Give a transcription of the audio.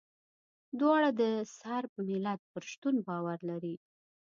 دواړه د صرب ملت پر شتون باور لري.